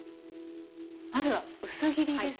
まずは薄切りですね。